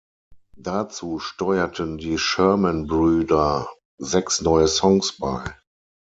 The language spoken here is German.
Dazu steuerten die Sherman-Brüder sechs neue Songs bei.